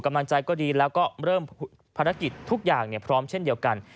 กำลังใจก็ดีแล้วก็เริ่มภารกิจทุกอย่างพร้อมเช่นเดียวกัน